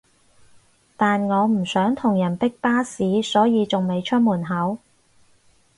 但我唔想同人逼巴士所以仲未出門口